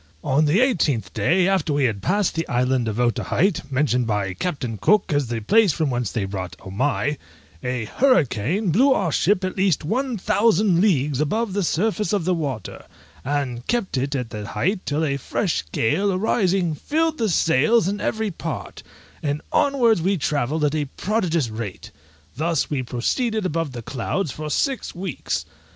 On the eighteenth day after we had passed the Island of Otaheite, mentioned by Captain Cook as the place from whence they brought Omai, a hurricane blew our ship at least one thousand leagues above the surface of the water, and kept it at the height till a fresh gale arising filled the sails in every part, and onwards we travelled at a prodigious rate; thus we proceeded above the clouds for six weeks.